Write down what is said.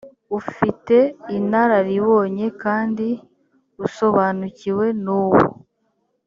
ufite inararibonye kandi usobanukiwe n uwo